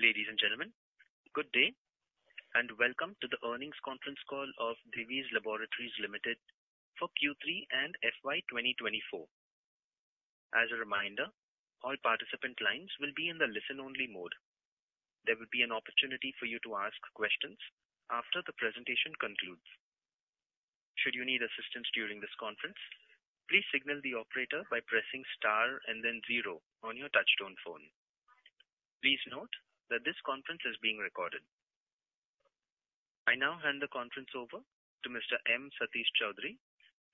Ladies and gentlemen, good day, and welcome to the earnings conference call of Divi's Laboratories Limited for Q3 and FY 2024. As a reminder, all participant lines will be in the listen-only mode. There will be an opportunity for you to ask questions after the presentation concludes. Should you need assistance during this conference, please signal the operator by pressing star and then zero on your touchtone phone. Please note that this conference is being recorded. I now hand the conference over to Mr. M. Satish Choudhury.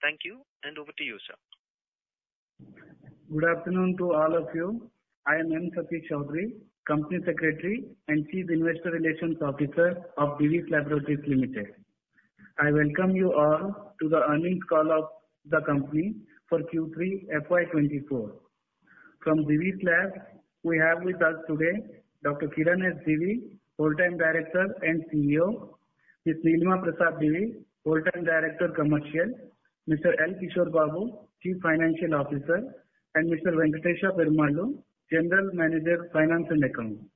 Thank you, and over to you, sir. Good afternoon to all of you. I am M. Satish Choudhury, Company Secretary and Chief Investor Relations Officer of Divi's Laboratories Limited. I welcome you all to the earnings call of the company for Q3 FY 2024. From Divi's Lab, we have with us today, Dr. Kiran S. Divi, Full-time Director and CEO, Ms. Nilima Prasad Divi, Full-time Director, Commercial, Mr. L. Kishore Babu, Chief Financial Officer, and Mr. Venkatesa Perumallu, General Manager, Finance and Accounting.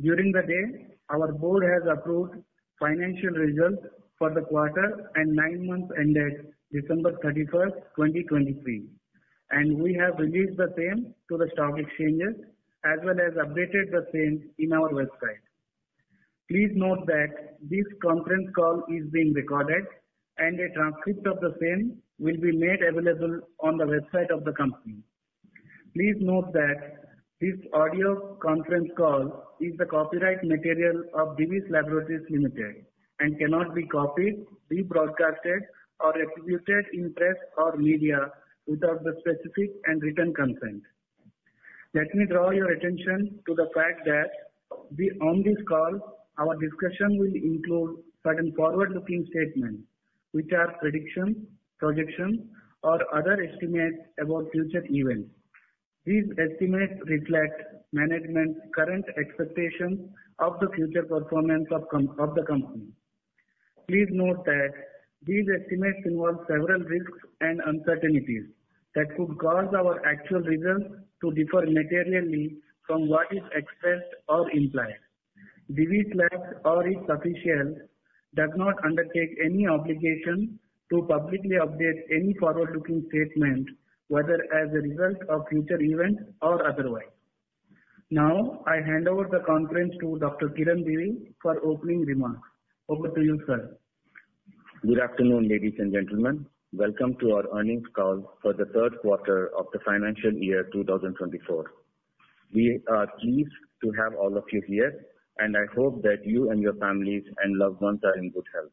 During the day, our board has approved financial results for the quarter and nine months ended December 31st, 2023, and we have released the same to the stock exchanges as well as updated the same in our website. Please note that this conference call is being recorded and a transcript of the same will be made available on the website of the company. Please note that this audio conference call is the copyright material of Divi's Laboratories Limited and cannot be copied, rebroadcast, or attributed in press or media without the specific and written consent. Let me draw your attention to the fact that we, on this call, our discussion will include certain forward-looking statements, which are predictions, projections, or other estimates about future events. These estimates reflect management's current expectations of the future performance of the company. Please note that these estimates involve several risks and uncertainties that could cause our actual results to differ materially from what is expressed or implied. Divi's Lab or its officials does not undertake any obligation to publicly update any forward-looking statement, whether as a result of future events or otherwise. Now, I hand over the conference to Dr. Kiran Divi for opening remarks. Over to you, sir. Good afternoon, ladies and gentlemen. Welcome to our earnings call for the third quarter of the financial year 2024. We are pleased to have all of you here, and I hope that you and your families and loved ones are in good health.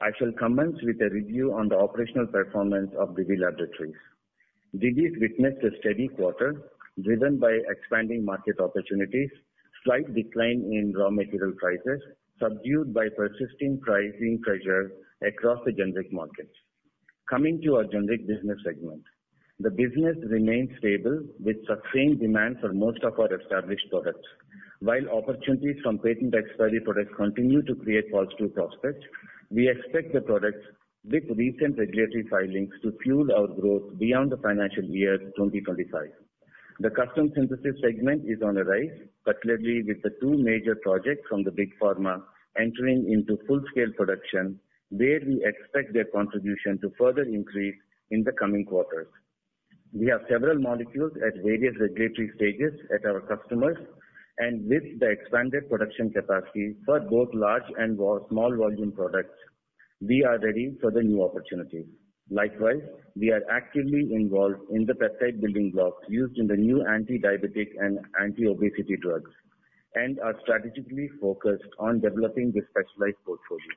I shall commence with a review on the operational performance of Divi Laboratories. Divi's witnessed a steady quarter, driven by expanding market opportunities, slight decline in raw material prices, subdued by persisting pricing pressure across the generic markets. Coming to our generic business segment, the business remains stable with sustained demand for most of our established products. While opportunities from patent expiry products continue to create positive prospects, we expect the products with recent regulatory filings to fuel our growth beyond the financial year 2025. The custom synthesis segment is on the rise, particularly with the two major projects from the Big Pharma entering into full-scale production, where we expect their contribution to further increase in the coming quarters. We have several molecules at various regulatory stages at our customers, and with the expanded production capacity for both large and small volume products, we are ready for the new opportunities. Likewise, we are actively involved in the peptide building blocks used in the new anti-diabetic and anti-obesity drugs and are strategically focused on developing this specialized portfolio.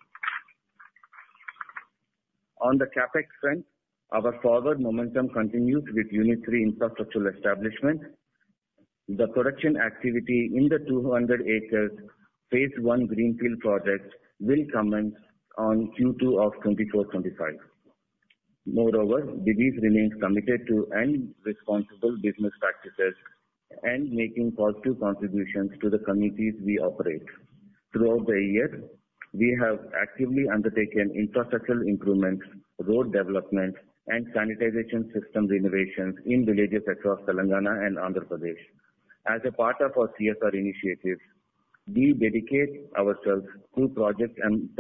On the CapEx front, our forward momentum continues with Unit III infrastructural establishment. The production activity in the 200 acres, phase I greenfield project, will commence on Q2 of 2024-25. Moreover, Divi's remains committed to and responsible business practices and making positive contributions to the communities we operate. Throughout the year, we have actively undertaken infrastructural improvements, road development, and sanitation systems renovations in villages across Telangana and Andhra Pradesh. As a part of our CSR initiatives, we dedicate ourselves to projects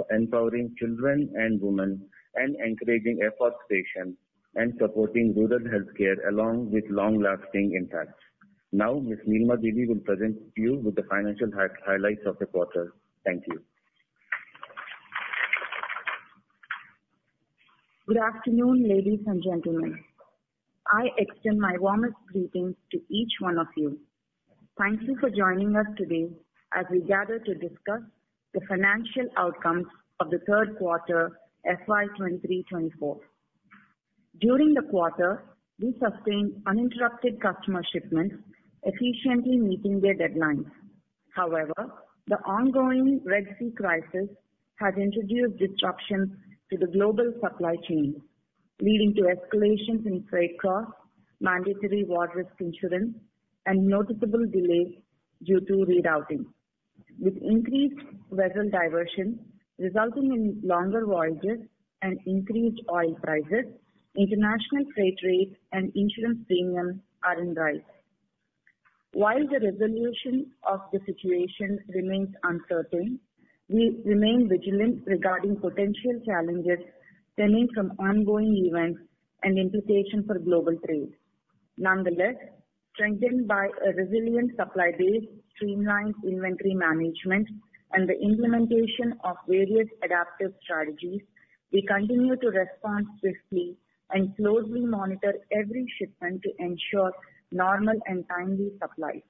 empowering children and women and encouraging education and supporting rural healthcare along with long-lasting impacts. Now, Ms. Nilima Divi will present you with the financial highlights of the quarter. Thank you. Good afternoon, ladies and gentlemen. I extend my warmest greetings to each one of you. Thank you for joining us today as we gather to discuss the financial outcomes of the third quarter, FY 2023-24. During the quarter, we sustained uninterrupted customer shipments, efficiently meeting their deadlines. However, the ongoing Red Sea crisis has introduced disruptions to the global supply chain, leading to escalations in freight costs, mandatory war risk insurance, and noticeable delays due to rerouting. With increased vessel diversion, resulting in longer voyages and increased oil prices, international freight rates and insurance premiums are in rise. While the resolution of the situation remains uncertain, we remain vigilant regarding potential challenges stemming from ongoing events and implications for global trade. Nonetheless, strengthened by a resilient supply base, streamlined inventory management, and the implementation of various adaptive strategies, we continue to respond swiftly and closely monitor every shipment to ensure normal and timely supplies.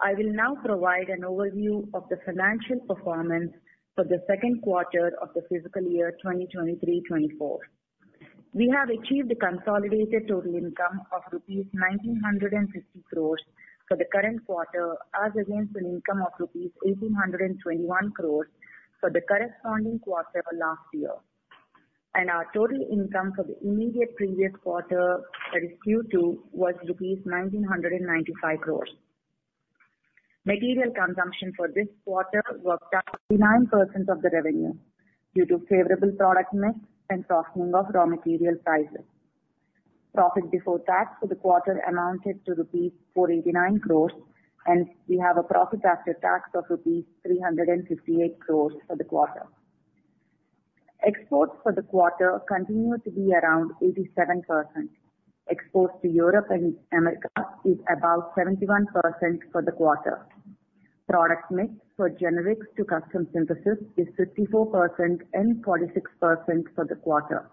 I will now provide an overview of the financial performance for the second quarter of the fiscal year 2023-24. We have achieved a consolidated total income of rupees 1,950 crores for the current quarter, as against an income of rupees 1,821 crores for the corresponding quarter of last year. Our total income for the immediate previous quarter, that is Q2, was rupees 1,995 crores. Material consumption for this quarter worked out 99% of the revenue, due to favorable product mix and softening of raw material prices. Profit before tax for the quarter amounted to rupees 489 crore, and we have a profit after tax of rupees 358 crore for the quarter. Exports for the quarter continue to be around 87%. Exports to Europe and America is about 71% for the quarter. Product mix for generics to custom synthesis is 54% and 46% for the quarter.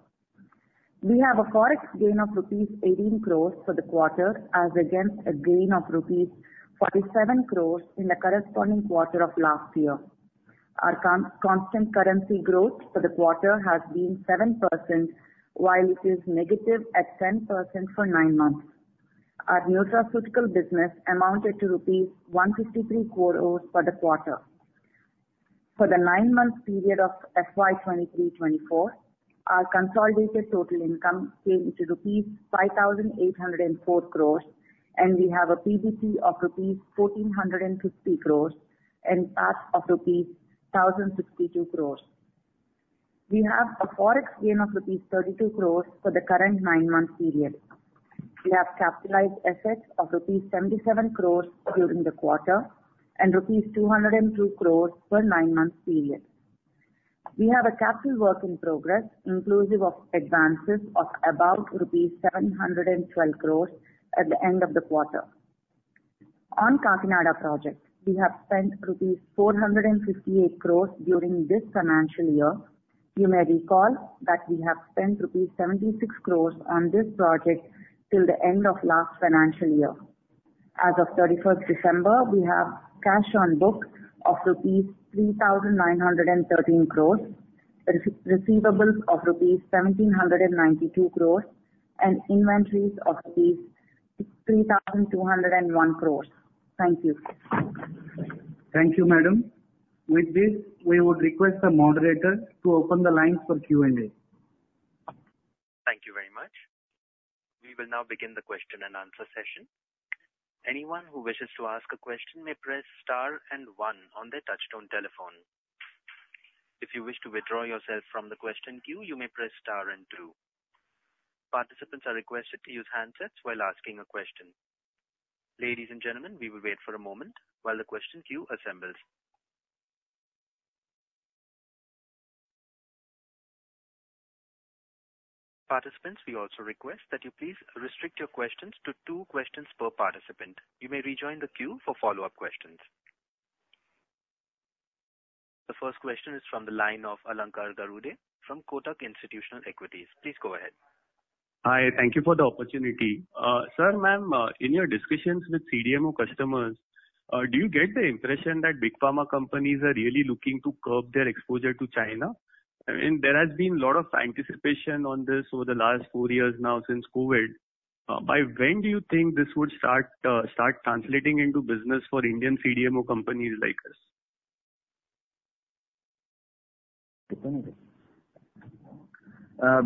We have a Forex gain of rupees 18 crore for the quarter, as against a gain of rupees 47 crore in the corresponding quarter of last year. Our constant currency growth for the quarter has been 7%, while it is negative at 10% for nine months. Our nutraceutical business amounted to rupees 153 crore for the quarter. For the nine-month period of FY 2023-24, our consolidated total income came to rupees 5,804 crores, and we have a PBT of rupees 1,450 crores and PAT of rupees 1,062 crores. We have a Forex gain of rupees 32 crores for the current nine-month period. We have capitalized assets of rupees 77 crores during the quarter and rupees 202 crores for nine months period. We have a capital work in progress, inclusive of advances of about rupees 712 crores at the end of the quarter. On Kakinada project, we have spent rupees 458 crores during this financial year. You may recall that we have spent rupees 76 crores on this project till the end of last financial year. As of 31st December, we have cash on book of rupees 3,913 crore, receivables of rupees 1,792 crore, and inventories of rupees 3,201 crore. Thank you. Thank you, madam. With this, we would request the moderator to open the lines for Q&A. Thank you very much. We will now begin the question and answer session. Anyone who wishes to ask a question may press star and one on their touchtone telephone. If you wish to withdraw yourself from the question queue, you may press star and two. Participants are requested to use handsets while asking a question. Ladies and gentlemen, we will wait for a moment while the question queue assembles. Participants, we also request that you please restrict your questions to two questions per participant. You may rejoin the queue for follow-up questions. The first question is from the line of Alankar Garude from Kotak Institutional Equities. Please go ahead. Hi, thank you for the opportunity. Sir, ma'am, in your discussions with CDMO customers, do you get the impression that Big Pharma companies are really looking to curb their exposure to China? I mean, there has been a lot of anticipation on this over the last four years now, since COVID. By when do you think this would start translating into business for Indian CDMO companies like us?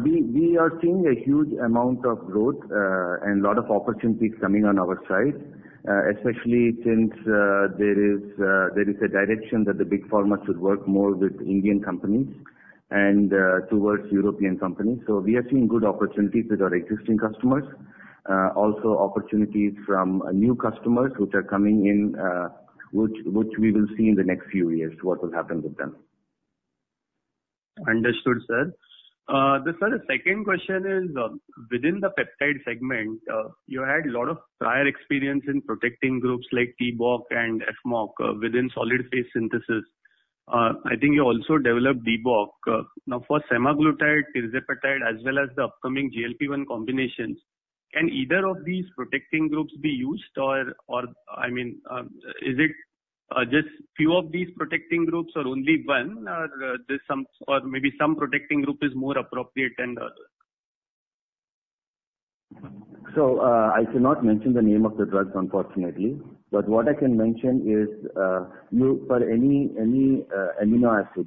We are seeing a huge amount of growth and a lot of opportunities coming on our side, especially since there is a direction that the Big Pharma should work more with Indian companies and towards European companies. So we are seeing good opportunities with our existing customers. Also opportunities from new customers, which are coming in, which we will see in the next few years what will happen with them. Understood, sir. Then sir, the second question is, within the peptide segment, you had a lot of prior experience in protecting groups like t-Boc and Fmoc, within solid phase synthesis. I think you also developed Di-Boc. Now, for Semaglutide, Tirzepatide, as well as the upcoming GLP-1 combinations, can either of these protecting groups be used? Or, or I mean, is it just few of these protecting groups or only one? Or, there's some or maybe some protecting group is more appropriate than the other? So, I cannot mention the name of the drugs, unfortunately, but what I can mention is, for any amino acid,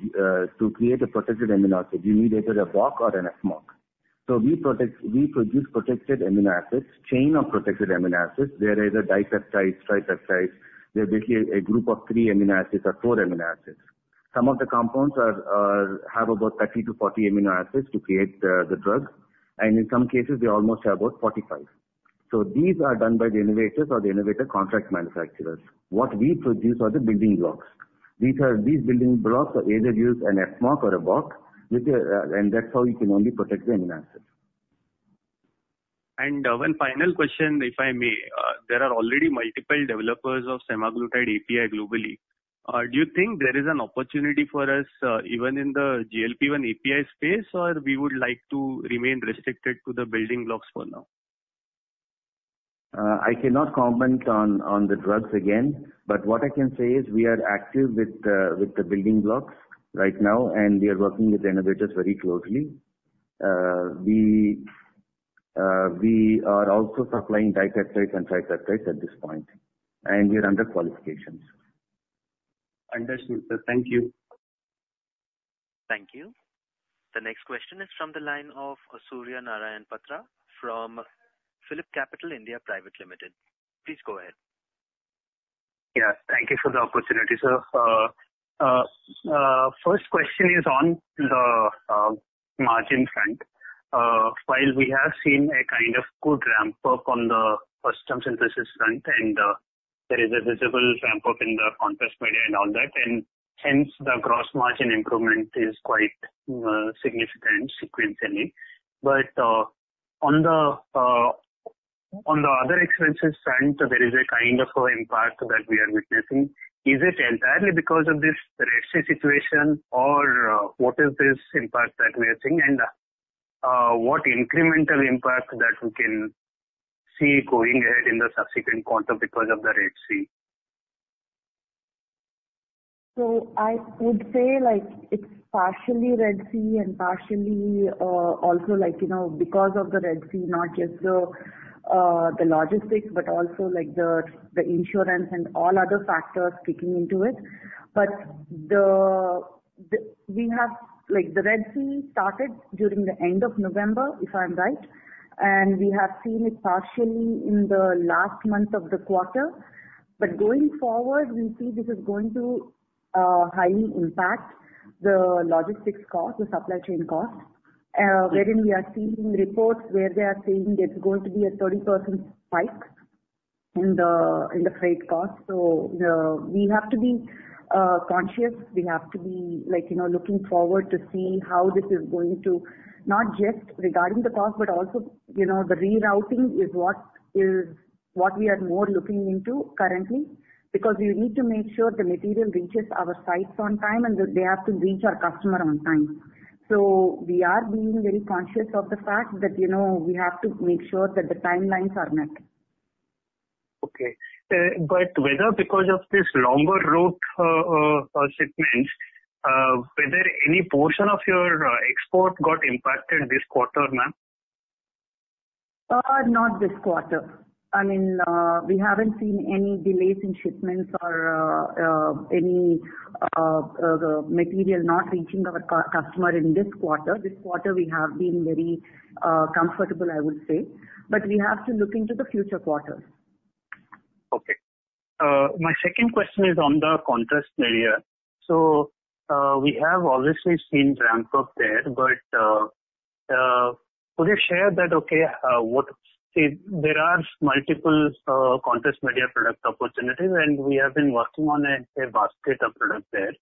to create a protected amino acid, you need either a Boc or an Fmoc. So we protect, we produce protected amino acids, chain of protected amino acids, where there's a dipeptide, tripeptide. They're basically a group of three amino acids or four amino acids. Some of the compounds are have about 30-40 amino acids to create the, the drugs, and in some cases they almost have about 45. So these are done by the innovators or the innovator contract manufacturers. What we produce are the building blocks. These building blocks are either used an Fmoc or a Boc, which are and that's how you can only protect the amino acids. One final question, if I may. There are already multiple developers of Semaglutide API globally. Do you think there is an opportunity for us, even in the GLP-1 API space, or we would like to remain restricted to the building blocks for now? I cannot comment on the drugs again, but what I can say is we are active with the building blocks right now, and we are working with innovators very closely. We are also supplying dipeptide and tripeptide at this point, and we are under qualifications. Understood, sir. Thank you. Thank you. The next question is from the line of Surya Narayan Patra from PhillipCapital India Private Limited. Please go ahead. Yeah. Thank you for the opportunity, sir. First question is on the margin front. While we have seen a kind of good ramp up on the custom synthesis front, and there is a visible ramp up in the contrast media and all that, and hence, the gross margin improvement is quite significant sequentially. But on the other expenses front, there is a kind of impact that we are witnessing. Is it entirely because of this Red Sea situation or what is this impact that we are seeing? And what incremental impact that we can see going ahead in the subsequent quarter because of the Red Sea? So I would say, like, it's partially Red Sea and partially, also like, you know, because of the Red Sea, not just the logistics, but also, like, the insurance and all other factors kicking into it. But we have. Like, the Red Sea started during the end of November, if I'm right, and we have seen it partially in the last month of the quarter. But going forward, we see this is going to highly impact the logistics cost, the supply chain cost, wherein we are seeing reports where they are saying it's going to be a 30% spike in the freight cost. So, we have to be conscious. We have to be, like, you know, looking forward to see how this is going to, not just regarding the cost, but also, you know, the rerouting is what we are more looking into currently, because we need to make sure the material reaches our sites on time, and they have to reach our customer on time. So we are being very conscious of the fact that, you know, we have to make sure that the timelines are met. Okay. But whether because of this longer route, shipments, whether any portion of your export got impacted this quarter, ma'am? Not this quarter. I mean, we haven't seen any delays in shipments or any material not reaching our customer in this quarter. This quarter we have been very comfortable, I would say, but we have to look into the future quarters. Okay. My second question is on the contrast media. So, we have obviously seen ramp up there, but, could you share that there are multiple contrast media product opportunities, and we have been working on a basket of products there.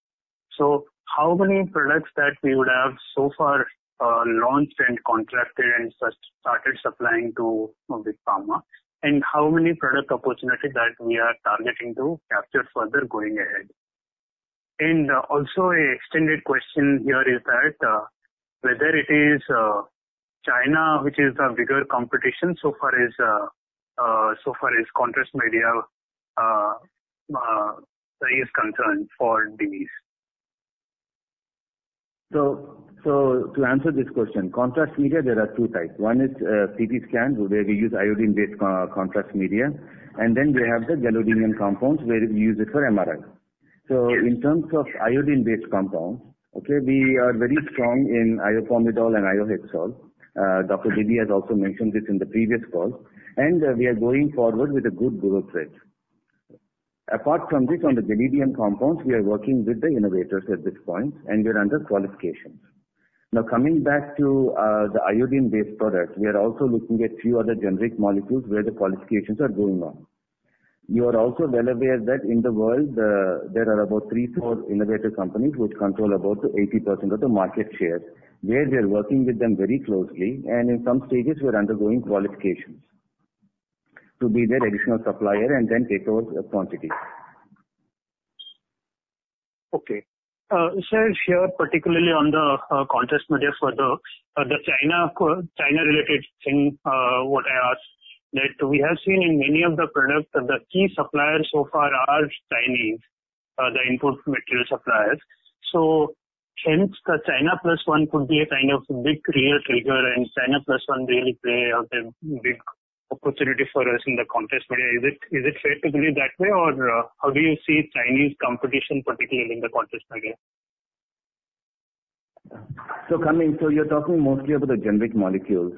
So how many products that we would have so far launched and contracted and just started supplying to with pharma? And how many product opportunities that we are targeting to capture further going ahead? And also, an extended question here is that whether it is China, which is a bigger competition so far as contrast media is concerned for Divi's. So, to answer this question, contrast media, there are two types. One is CT scans, where we use iodine-based contrast media, and then we have the gadolinium compounds, where we use it for MRI. Yes. So in terns of iodine-based compounds, okay, we are very strong in Iohexol and Iohexol. Dr. Divi has also mentioned this in the previous call, and we are going forward with a good growth rate. Apart from this, on the gadolinium compounds, we are working with the innovators at this point, and we are under qualifications. Now, coming back to the iodine-based products, we are also looking at few other generic molecules where the qualifications are going on. You are also well aware that in the world, there are about 3-4 innovative companies which control about 80% of the market share, where we are working with them very closely, and in some stages we are undergoing qualifications to be their additional supplier and then take over the quantity. Okay. So here, particularly on the contrast media for the China-related thing, what I asked, that we have seen in many of the products that the key suppliers so far are Chinese, the input material suppliers. So hence, the China plus one could be a kind of big clear trigger, and China plus one really play out a big, opportunity for us in the contrast media. Is it, is it fair to believe that way, or how do you see Chinese competition, particularly in the contrast media? So coming, so you're talking mostly about the generic molecules.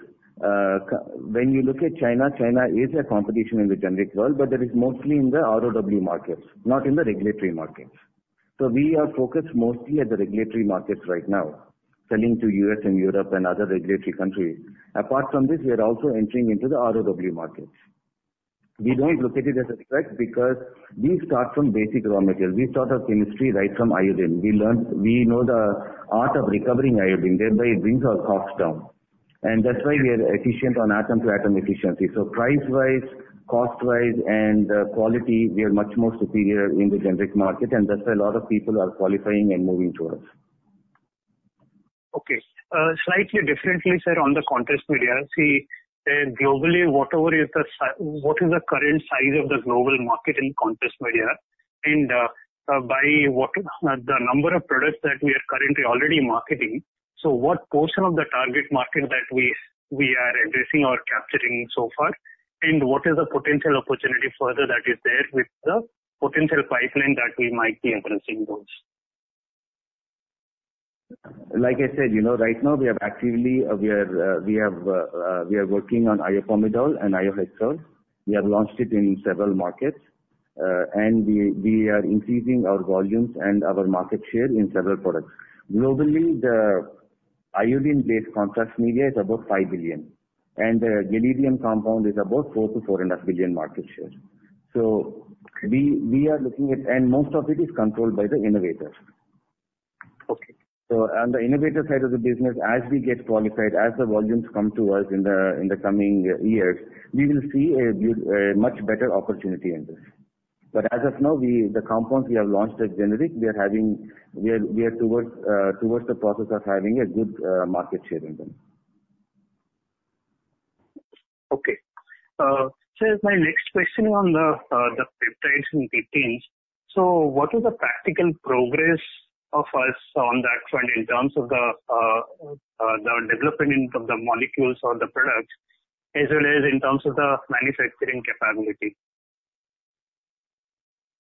When you look at China, China is a competition in the generic world, but that is mostly in the ROW markets, not in the regulatory markets. So we are focused mostly at the regulatory markets right now, selling to U.S. and Europe and other regulatory countries. Apart from this, we are also entering into the ROW markets. We don't look at it as a threat because we start from basic raw materials. We start our chemistry right from iodine. We know the art of recovering iodine, thereby it brings our cost down. And that's why we are efficient on atom-to-atom efficiency. So price-wise, cost-wise, and quality, we are much more superior in the generic market, and that's why a lot of people are qualifying and moving to us. Okay. Slightly differently, sir, on the Contrast Media. See, globally, what is the current size of the global market in Contrast Media? And, by what, the number of products that we are currently already marketing, so what portion of the target market that we, we are addressing or capturing so far? And what is the potential opportunity further that is there with the potential pipeline that we might be entering in those? Like I said, you know, right now we are actively working on Iopamidol and Iohexol. We have launched it in several markets, and we are increasing our volumes and our market share in several products. Globally, the iodine-based contrast media is about $5 billion, and the gadolinium compound is about $4-$4.5 billion market share. So we are looking at. And most of it is controlled by the innovators. Okay. So on the innovator side of the business, as we get qualified, as the volumes come to us in the coming years, we will see a good, much better opportunity in this. But as of now, the compounds we have launched as generic, we are towards the process of having a good market share in them. Okay. So my next question on the peptides and proteins. So what is the practical progress of us on that front in terms of the development of the molecules or the products, as well as in terms of the manufacturing capability?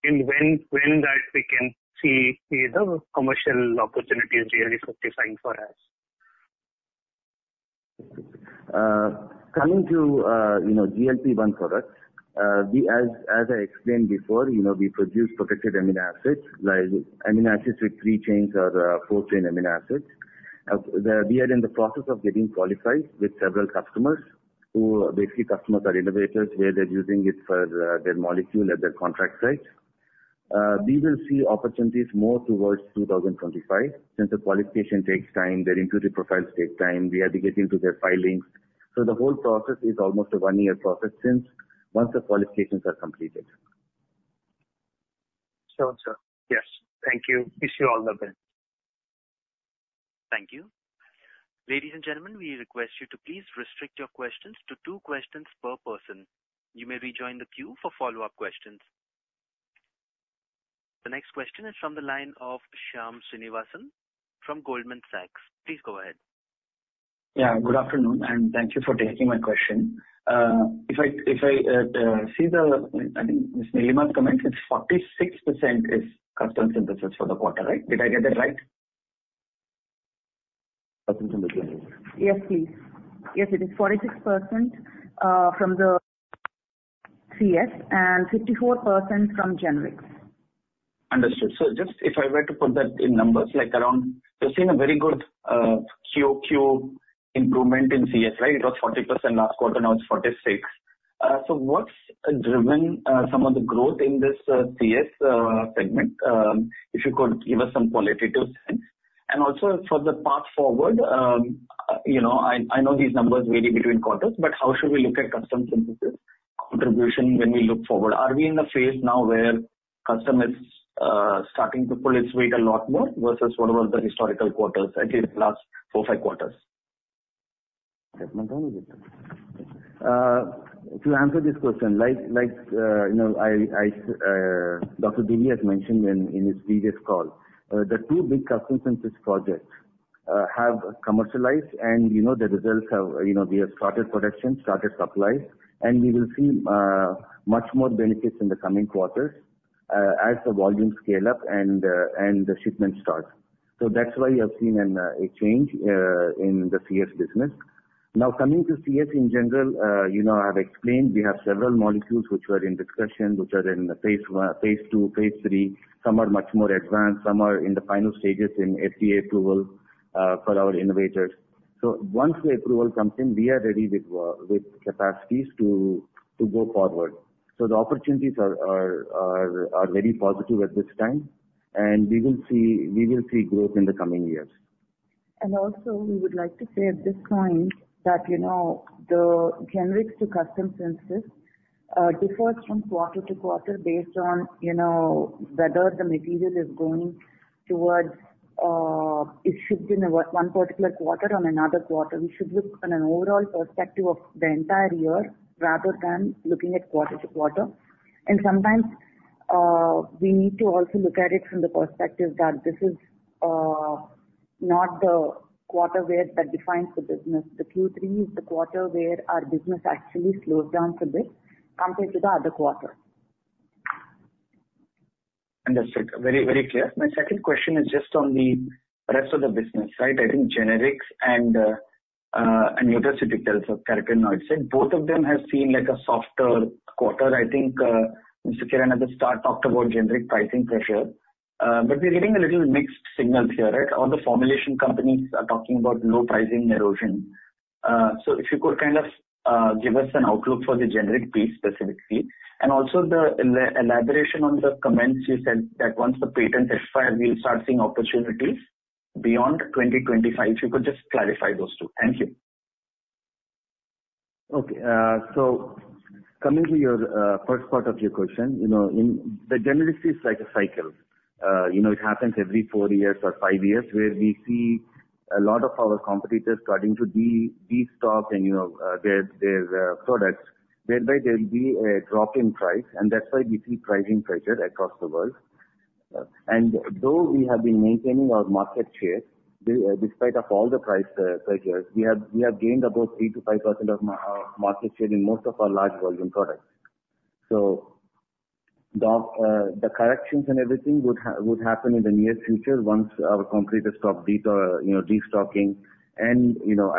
And when that we can see the commercial opportunities really justifying for us? Coming to, you know, GLP-1 products, we, as I explained before, you know, we produce protected amino acids, like amino acids with three chains or the four-chain amino acids. We are in the process of getting qualified with several customers, who basically customers are innovators, where they're using it for their molecule at their contract sites. We will see opportunities more towards 2025, since the qualification takes time, their integrity profiles take time. We are digressing to their filings. So the whole process is almost a one-year process, since once the qualifications are completed. Sure, sir. Yes. Thank you. Wish you all the best. Thank you. Ladies and gentlemen, we request you to please restrict your questions to two questions per person. You may rejoin the queue for follow-up questions. The next question is from the line of Shyam Srinivasan from Goldman Sachs. Please go ahead. Yeah, good afternoon, and thank you for taking my question. If I, if I, see the, I think, Ms. Nilima comments, it's 46% is custom synthesis for the quarter, right? Did I get that right? Custom synthesis. Yes, please. Yes, it is 46% from the CS and 54% from generics. Understood. So just if I were to put that in numbers, like around, we've seen a very good, QOQ improvement in CS, right? It was 40% last quarter, now it's 46. So what's driven some of the growth in this, CS, segment? If you could give us some qualitative sense. And also for the path forward, you know, I know these numbers vary between quarters, but how should we look at custom synthesis contribution when we look forward? Are we in the phase now where custom is starting to pull its weight a lot more vs what were the historical quarters, at least last four, five quarters? To answer this question, like, you know, I, Dr. Divi has mentioned in his previous call, the two big custom synthesis projects have commercialized, and, you know, the results have, you know, we have started production, started supplies, and we will see much more benefits in the coming quarters as the volumes scale up and the shipments start. So that's why you have seen a change in the CS business. Now, coming to CS in general, you know, I've explained we have several molecules which were in discussion, which are in the phase I, phase II, phase III. Some are much more advanced, some are in the final stages in FDA approval for our innovators. So once the approval comes in, we are ready with capacities to go forward. The opportunities are very positive at this time, and we will see growth in the coming years. And also, we would like to say at this point that, you know, the generics to custom synthesis differs from quarter-to-quarter based on, you know, whether the material is going towards it should be in one particular quarter or another quarter. We should look on an overall perspective of the entire year, rather than looking at quarter-to-quarter. And sometimes we need to also look at it from the perspective that this is not the quarter where that defines the business. The Q3 is the quarter where our business actually slows down a bit compared to the other quarters. Understood. Very, very clear. My second question is just on the rest of the business, right? I think generics and nutraceuticals, as Karan had said, both of them have seen, like, a softer quarter. I think Mr. Kiran, at the start, talked about generic pricing pressure, but we're getting a little mixed signal here, right? All the formulation companies are talking about low pricing erosion. So if you could kind of give us an outlook for the generic piece specifically, and also the elaboration on the comments you said that once the patents expire, we'll start seeing opportunities beyond 2025. If you could just clarify those two. Thank you. Okay, so coming to your first part of your question, you know, in the generic is like a cycle. You know, it happens every four years or five years, where we see a lot of our competitors starting to destock, and, you know, their products, whereby there will be a drop in price, and that's why we see pricing pressure across the world. And though we have been maintaining our market share, despite of all the price pressures, we have gained about 3%-5% of market share in most of our large volume products. So the corrections and everything would happen in the near future once our competitors stop destocking, and, you know,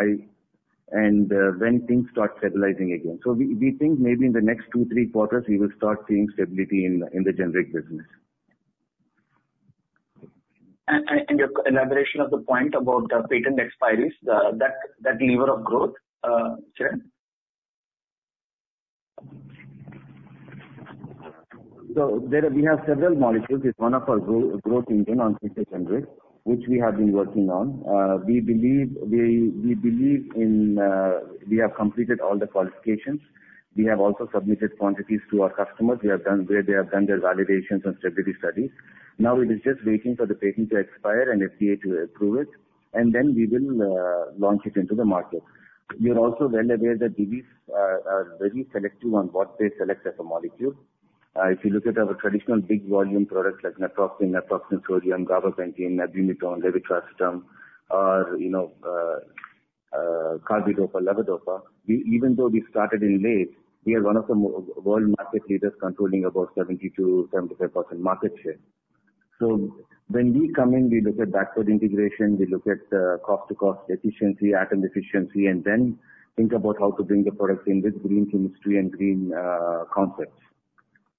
when things start stabilizing again. We think maybe in the next 2-3 quarters, we will start seeing stability in the generic business. Your elaboration of the point about the patent expiries, that lever of growth, Chair. So there, we have several molecules. It's one of our growth engine on future generic, which we have been working on. We believe, we, we believe in, we have completed all the qualifications. We have also submitted quantities to our customers. We have done, where they have done their validations and stability studies. Now we are just waiting for the patent to expire and FDA to approve it, and then we will launch it into the market. We are also well aware that we are very selective on what they select as a molecule. If you look at our traditional big volume products like Naproxen, Naproxen Sodium, Gabapentin, Levetiracetam, or, you know, Carbidopa, Levodopa, we even though we started in late, we are one of the world market leaders, controlling about 70%-75% market share. So when we come in, we look at backward integration, we look at, cost to cost efficiency, atom efficiency, and then think about how to bring the products in with green chemistry and green, concepts.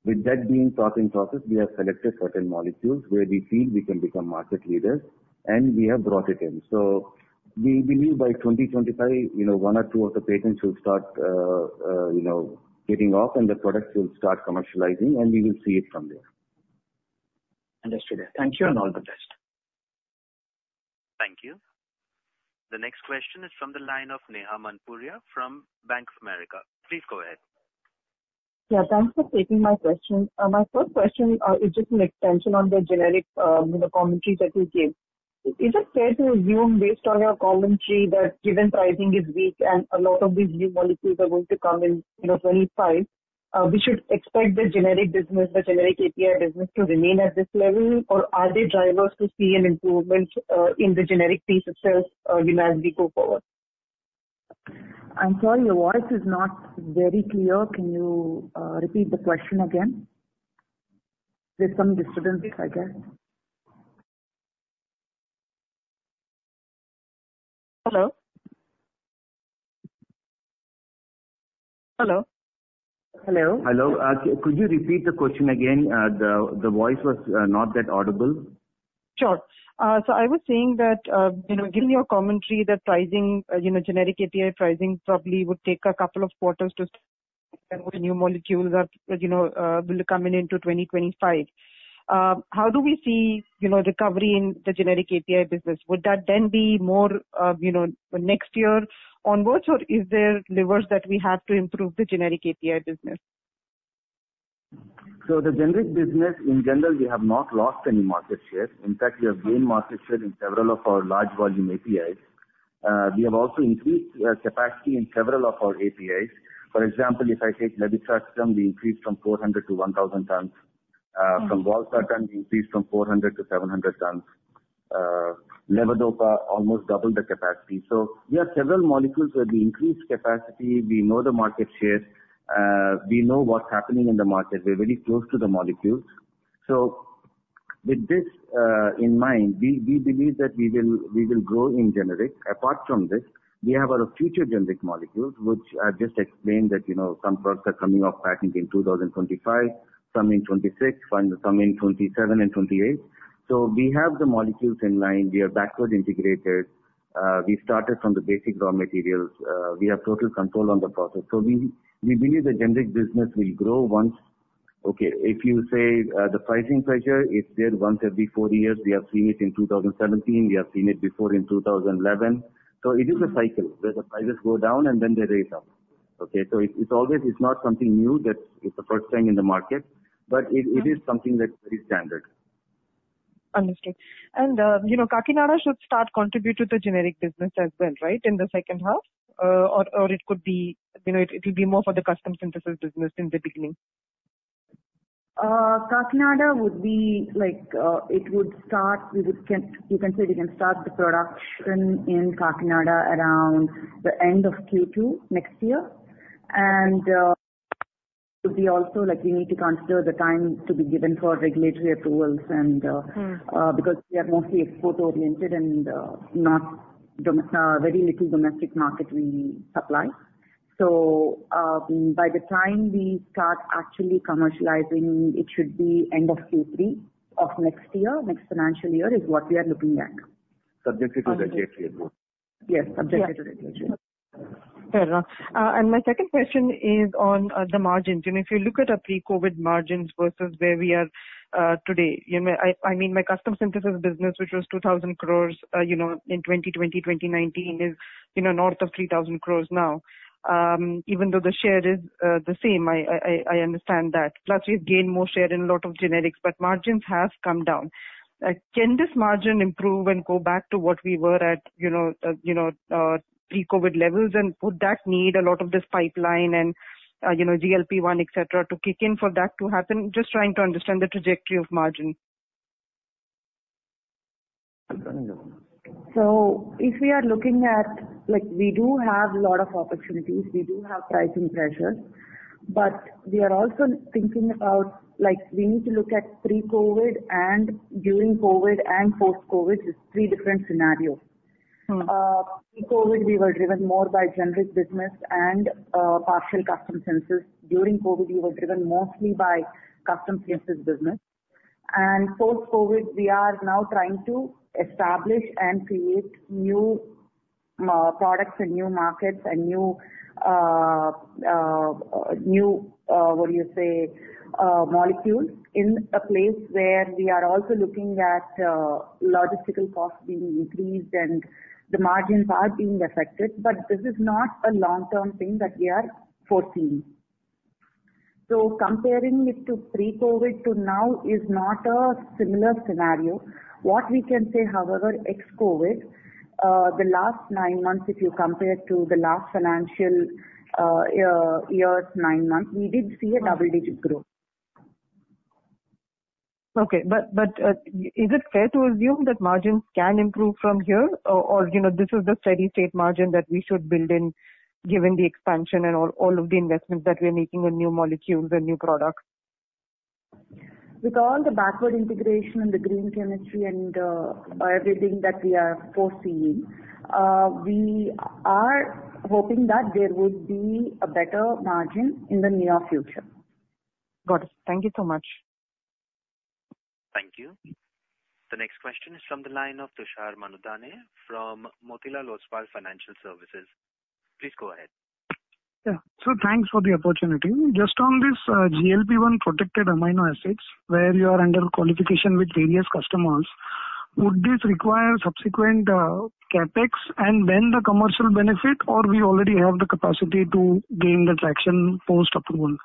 With that being thought and process, we have selected certain molecules where we feel we can become market leaders, and we have brought it in. So we believe by 2025, you know, one or two of the patents will start, you know, getting off and the products will start commercializing, and we will see it from there. Understood. Thank you, and all the best. Thank you. The next question is from the line of Neha Manpuria from Bank of America. Please go ahead. Yeah, thanks for taking my question. My first question is just an extension on the generic, you know, commentaries that you gave. Is it fair to assume, based on your commentary, that given pricing is weak and a lot of these new molecules are going to come in, you know, 25, we should expect the generic business, the generic API business, to remain at this level? Or are there drivers to see an improvement in the generic piece of sales, demand as we go forward? I'm sorry, your voice is not very clear. Can you repeat the question again? There's some disturbance, I guess. Hello? Hello? Hello. Hello. Could you repeat the question again? The voice was not that audible. Sure. So I was saying that, you know, given your commentary that pricing, you know, generic API pricing probably would take a couple of quarters to, new molecules are, you know, will be coming into 2025. How do we see, you know, recovery in the generic API business? Would that then be more, you know, next year onwards, or is there levers that we have to improve the generic API business? So the generic business, in general, we have not lost any market share. In fact, we have gained market share in several of our large volume APIs. We have also increased capacity in several of our APIs. For example, if I take Levetiracetam, we increased from 400 to 1,000 tons. Mm. From Valsartan, we increased from 400 tons to 700 tons. Levodopa almost doubled the capacity. So we have several molecules where we increased capacity. We know the market share. We know what's happening in the market. We're very close to the molecules. So with this in mind, we believe that we will grow in generic. Apart from this, we have our future generic molecules, which I just explained, that you know, some products are coming off patent in 2025, some in 2026, and some in 2027 and 2028. So we have the molecules in line. We are backward integrated. We started from the basic raw materials. We have total control on the process. So we believe the generic business will grow once. Okay, if you say the pricing pressure is there once every four years. We have seen it in 2017, we have seen it before in 2011. So it is a cycle, where the prices go down and then they rise up. Okay, so it's, it's always, it's not something new, that it's the first time in the market, but it, it is something that's very standard. Understood. And, you know, Kakinada should start contribute to the generic business as well, right? In the second half, or it could be, you know, it will be more for the custom synthesis business in the beginning. Kakinada would be like, it would start. You can say we can start the production in Kakinada around the end of Q2 next year. It will be also like we need to consider the time to be given for regulatory approvals and, Mm. Because we are mostly export-oriented and not done very little domestic market we supply. So, by the time we start actually commercializing, it should be end of Q3 of next year. Next financial year is what we are looking at. Subject to regulatory approval. Yes, subject to regulatory. Fair enough. And my second question is on the margins. You know, if you look at our pre-COVID margins vs where we are today, you know, I mean, my custom synthesis business, which was 2,000 crore, you know, in 2020, 2019, is, you know, north of 3,000 crore now. Even though the share is the same, I understand that. Plus, we've gained more share in a lot of generics, but margins have come down. Can this margin improve and go back to what we were at, you know, pre-COVID levels? And would that need a lot of this pipeline and, you know, GLP-1, et cetera, to kick in for that to happen? Just trying to understand the trajectory of margin. If we are looking at. Like, we do have a lot of opportunities, we do have pricing pressures. But we are also thinking about, like, we need to look at pre-COVID and during COVID and post-COVID is three different scenarios. Mm. Pre-COVID, we were driven more by generic business and partial custom synthesis. During COVID, we were driven mostly by custom synthesis business. Post-COVID, we are now trying to establish and create new products and new markets and new new what do you say molecules, in a place where we are also looking at logistical costs being increased and the margins are being affected. But this is not a long-term thing that we are foreseeing. So comparing it to pre-COVID to now is not a similar scenario. What we can say, however, ex-COVID, the last nine months, if you compare to the last financial year's nine months, we did see a double-digit growth. Okay. But is it fair to assume that margins can improve from here, or, you know, this is the steady-state margin that we should build in, given the expansion and all of the investments that we're making on new molecules and new products? With all the backward integration and the green chemistry and, everything that we are foreseeing, we are hoping that there would be a better margin in the near future. Got it. Thank you so much. Thank you. The next question is from the line of Tushar Manudhane from Motilal Oswal Financial Services. Please go ahead. Yeah. So thanks for the opportunity. Just on this, GLP-1 protected amino acids, where you are under qualification with various customers, would this require subsequent, CapEx and when the commercial benefit, or we already have the capacity to gain the traction post-approval?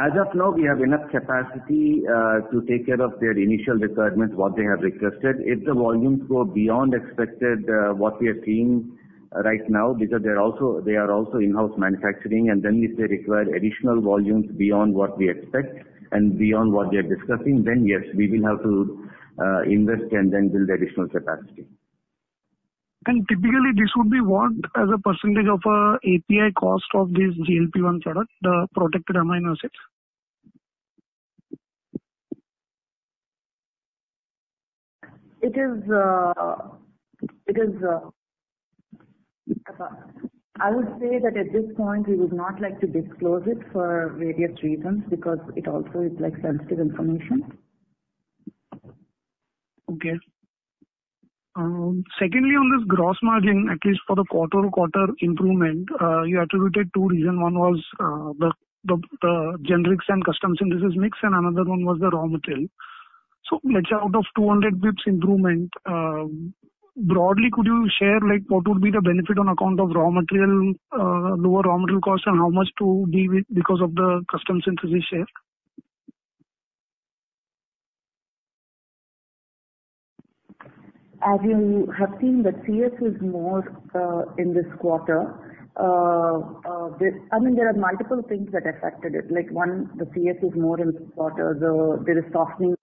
As of now, we have enough capacity to take care of their initial requirements, what they have requested. If the volumes go beyond expected, what we are seeing right now, because they are also in-house manufacturing, and then if they require additional volumes beyond what we expect and beyond what we are discussing, then yes, we will have to invest and then build additional capacity. Typically, this would be what, as a percentage of, API cost of this GLP-1 product, the protected amino acids? It is. I would say that at this point, we would not like to disclose it for various reasons, because it also is, like, sensitive information. Okay. Secondly, on this gross margin, at least for the quarter-to-quarter improvement, you attributed two reason. One was the generics and custom synthesis mix, and another one was the raw material. So let's say out of 200 BPS improvement, broadly, could you share, like, what would be the benefit on account of raw material, lower raw material cost, and how much to be with because of the Custom Synthesis share? As you have seen, the CS is more in this quarter. I mean, there are multiple things that affected it. Like, one, the CS is more in this quarter. There is softening,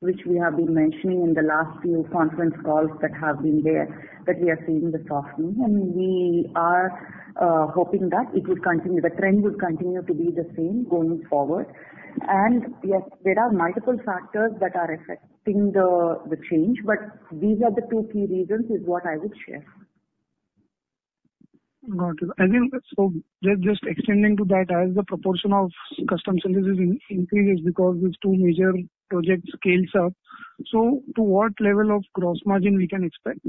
which we have been mentioning in the last few conference calls that have been there, that we are seeing the softening. And we are hoping that it will continue, the trend will continue to be the same going forward. And yes, there are multiple factors that are affecting the change, but these are the two key reasons, is what I would share. Got it. I think, so just extending to that, as the proportion of Custom Synthesis increases because these two major projects scale up, so to what level of gross margin can we expect?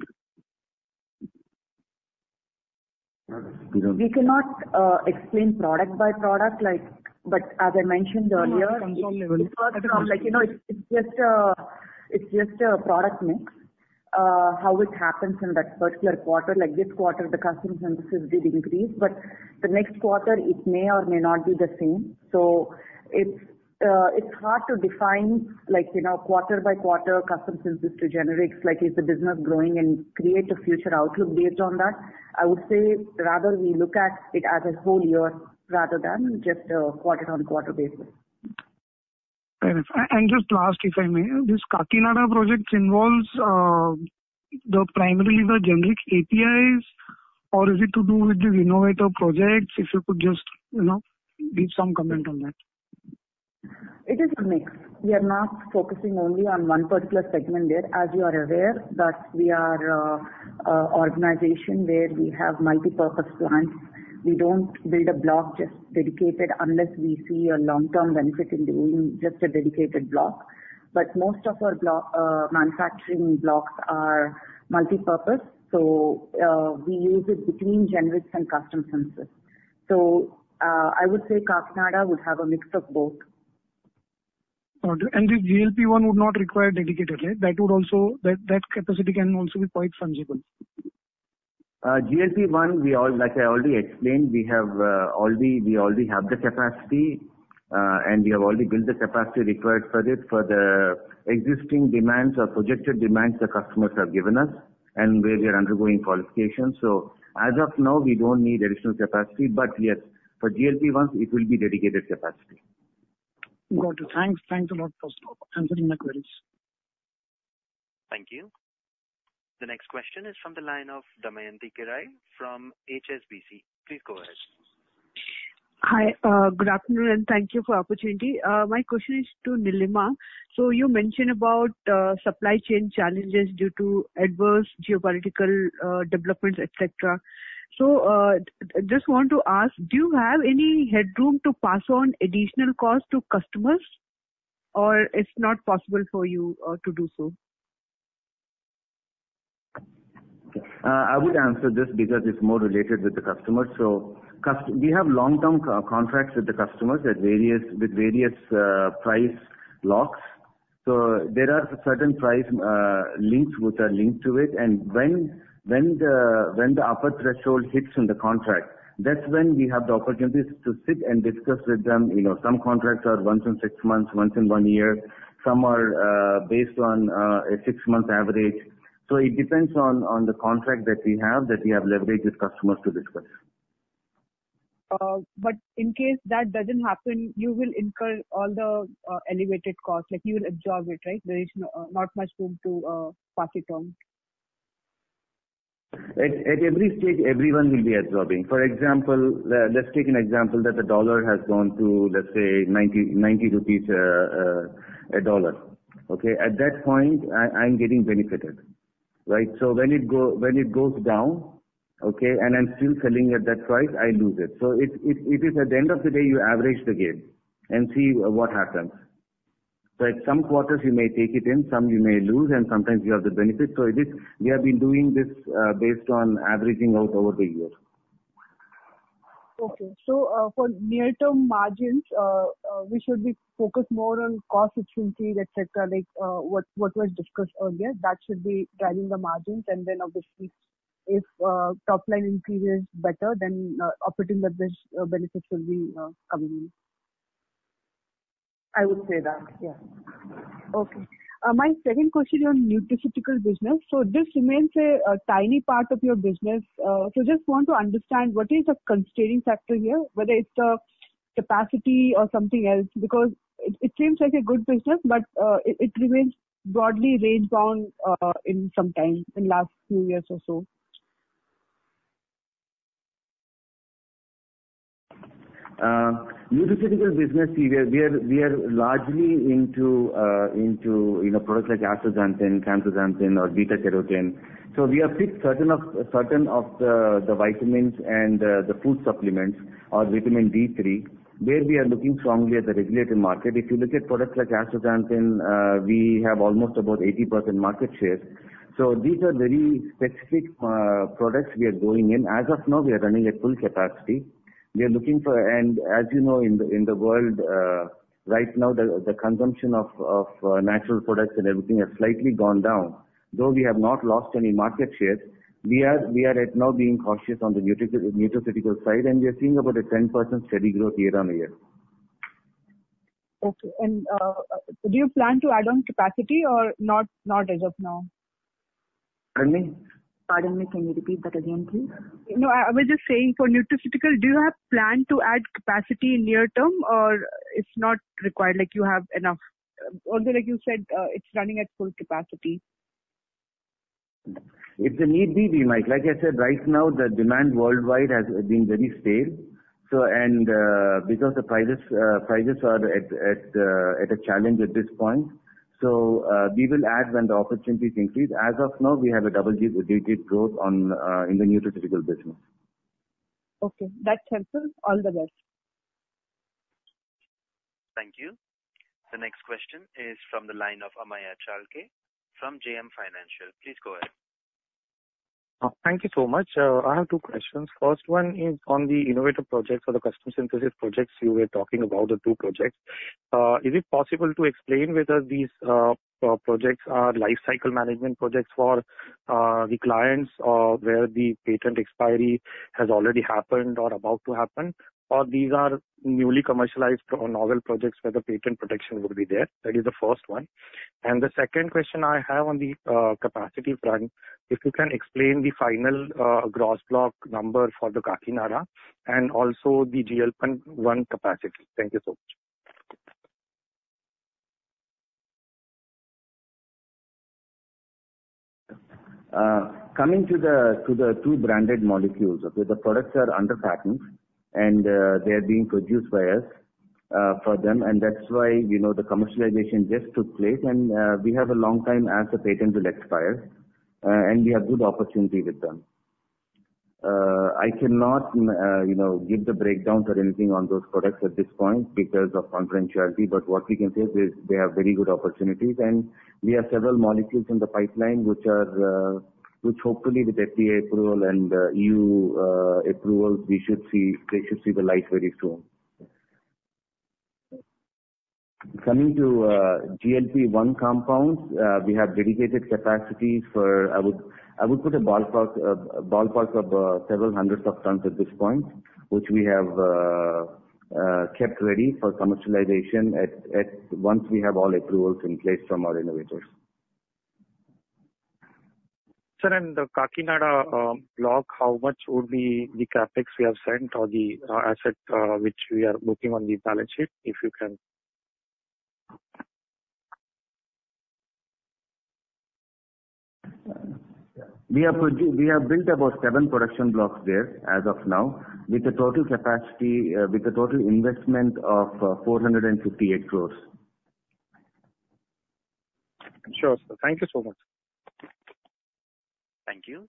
You know. We cannot explain product by product, like, but as I mentioned earlier. Mm. Like, you know, it's just a product mix. How it happens in that particular quarter, like this quarter, the Custom Synthesis did increase, but the next quarter it may or may not be the same. So it's hard to define, like, you know, quarter by quarter Custom Synthesis to generics, like is the business growing, and create a future outlook based on that. I would say rather we look at it as a whole year rather than just a quarter-on-quarter basis. Fair enough. And just last, if I may, this Kakinada project involves the primarily the generic APIs, or is it to do with the innovator projects? If you could just, you know, give some comment on that. It is a mix. We are not focusing only on one particular segment there. As you are aware, that we are an organization where we have multipurpose plants. We don't build a block just dedicated unless we see a long-term benefit in doing just a dedicated block. But most of our block manufacturing blocks are multipurpose, so we use it between generics and custom synthesis. So I would say Kakinada would have a mix of both. Got you. And the GLP-1 would not require dedicated, right? That would also. That, that capacity can also be quite fungible. GLP-1, we all, like I already explained, we have already, we already have the capacity, and we have already built the capacity required for it, for the existing demands or projected demands the customers have given us, and where we are undergoing qualification. So as of now, we don't need additional capacity, but yes, for GLP-1, it will be dedicated capacity. Got you. Thanks, thanks a lot for answering my queries. Thank you. The next question is from the line of Damayanti Kerai from HSBC. Please go ahead. Hi, good afternoon, and thank you for the opportunity. My question is to Nilima. So you mentioned about supply chain challenges due to adverse geopolitical developments, et cetera. So, just want to ask, do you have any headroom to pass on additional costs to customers, or it's not possible for you to do so? I would answer this because it's more related with the customers. So we have long-term contracts with the customers at various, with various, price blocks. So there are certain price links, which are linked to it, and when the upper threshold hits in the contract, that's when we have the opportunities to sit and discuss with them. You know, some contracts are once in six months, once in one year, some are based on a six month average. So it depends on the contract that we have leveraged with customers to discuss. But in case that doesn't happen, you will incur all the elevated costs, like you will absorb it, right? There is no, not much room to pass it on. At every stage, everyone will be absorbing. For example, let's take an example that the dollar has gone to, let's say, 90 rupees a dollar, okay? At that point, I'm getting benefited, right? So when it goes down, okay, and I'm still selling at that price, I lose it. So it is at the end of the day, you average the gain and see what happens, right? Some quarters you may take it in, some you may lose, and sometimes you have the benefit. So it is. We have been doing this, based on averaging out over the years. Okay. So, for near-term margins, we should be focused more on cost efficiency, et cetera, like what was discussed earlier, that should be driving the margins, and then obviously if top line increases better, then operating the benefit, benefit will be coming in. I would say that, yeah. Okay. My second question is on nutraceutical business. So this remains a tiny part of your business. So just want to understand what is the constraining factor here, whether it's the capacity or something else, because it seems like a good business, but it remains broadly range-bound, in some time, in last few years or so. Nutraceutical business, we are largely into, you know, products like astaxanthin, canthaxanthin or beta-carotene. So we have picked certain of the vitamins and the food supplements or vitamin D3, where we are looking strongly at the regulated market. If you look at products like astaxanthin, we have almost about 80% market share. So these are very specific products we are going in. As of now, we are running at full capacity. We are looking for. And as you know, in the world right now, the consumption of natural products and everything has slightly gone down. Though we have not lost any market share, we are right now being cautious on the nutraceutical side, and we are seeing about a 10% steady growth year-on year. Okay. Do you plan to add on capacity or not, not as of now? Pardon me? Pardon me, can you repeat that again, please? No, I, I was just saying for nutraceutical, do you have plan to add capacity in near term, or it's not required, like you have enough? Although, like you said, it's running at full capacity. If the need be, we might. Like I said, right now, the demand worldwide has been very stale, so and, because the prices, prices are at, at, at a challenge at this point. So, we will add when the opportunities increase. As of now, we have a double-digit growth on, in the nutraceutical business. Okay, that helps us. All the best. Thank you. The next question is from the line of Amey Chalke, from JM Financial. Please go ahead. Thank you so much. I have two questions. First one is on the innovative projects for the Custom Synthesis projects, you were talking about the two projects. Is it possible to explain whether these projects are life cycle management projects for the clients, or where the patent expiry has already happened or about to happen? Or these are newly commercialized or novel projects where the patent protection would be there? That is the first one. And the second question I have on the capacity front: If you can explain the final gross block number for the Kakinada and also the GLP-1 capacity. Thank you so much. Coming to the two branded molecules, okay? The products are under patent and, they are being produced by us, for them, and that's why, you know, the commercialization just took place and, we have a long time as the patent will expire, and we have good opportunity with them. I cannot, you know, give the breakdowns or anything on those products at this point because of confidentiality, but what we can say is they, they have very good opportunities, and we have several molecules in the pipeline, which are, which hopefully with FDA approval and, EU, approval, we should see, they should see the light very soon. Coming to GLP-1 compounds, we have dedicated capacities for. I would put a ballpark of several hundred tons at this point, which we have kept ready for commercialization at once we have all approvals in place from our innovators. Sir, in the Kakinada block, how much would be the CapEx we have spent or the asset which we are booking on the balance sheet, if you can? We have built about seven production blocks there as of now, with a total capacity, with a total investment of 458 crore. Sure, sir. Thank you so much. Thank you.